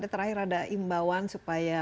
terakhir ada imbauan supaya